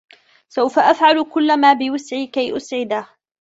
سوف أفعل كلّ ما بوسعي كي أسعده.